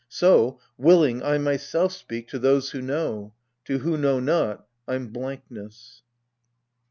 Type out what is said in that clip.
So, willing I myself speak To those who know : to who know not — I'm blankness.